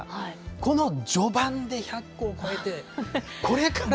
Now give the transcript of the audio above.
この序盤で１００個を超えて、これから。